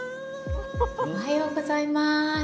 おはようございます。